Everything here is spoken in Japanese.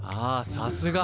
さすが。